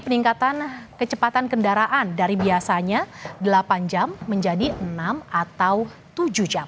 peningkatan kecepatan kendaraan dari biasanya delapan jam menjadi enam atau tujuh jam